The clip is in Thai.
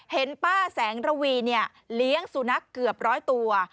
เห็นป้าแสงระวีเลี้ยงสุนัขเกือบ๑๐๐ตัว